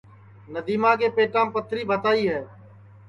ندیما کے پیٹام پتھری بھتائی ہے